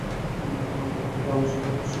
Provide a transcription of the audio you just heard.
দরজা খুলে আমার স্বপ্ন নষ্ট করে দিল।